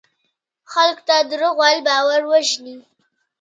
خلکو ته دروغ ویل باور وژني.